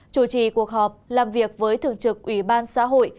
chủ trì cuộc họp làm việc với thường trực ủy ban xã hội